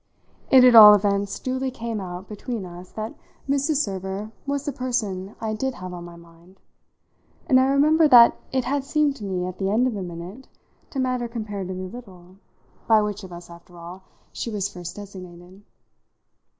It at all events duly came out between us that Mrs. Server was the person I did have on my mind; and I remember that it had seemed to me at the end of a minute to matter comparatively little by which of us, after all, she was first designated.